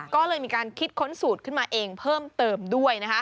ก็เลยมีการคิดค้นสูตรขึ้นมาเองเพิ่มเติมด้วย